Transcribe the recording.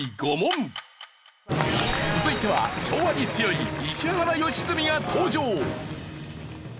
続いては昭和に強い石原良純が登場。